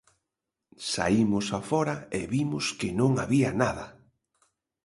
Saímos a fóra e vimos que non había nada.